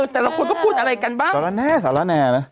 แต่ละคนก็พูดอะไรกันบ้าง